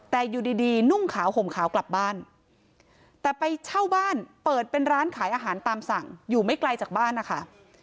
แต่อยู่ดีนุ่งขาวห่มขาวกลับบ้านแต่ไปเช่าบ้านเปิดเป็นร้านขายอาหารตามสั่งอยู่ไม่ไกลจากบ้านนะคะ